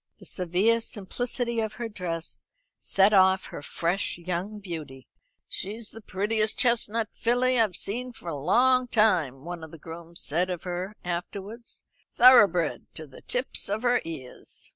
The severe simplicity of her dress set off her fresh young beauty. "She's the prettiest chestnut filly I've seen for a long time." one of the grooms said of her afterwards. "Thoroughbred to the tips of her ears."